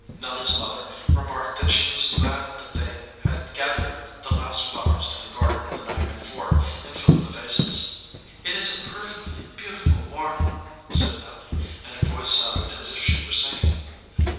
Nelly s mother remarked that she was glad that they had gathered the last flow ers in the garden the night before and filled the vases. "It is a perfectly beautiful morning," said Nelly, and her voice sounded as if she were singing.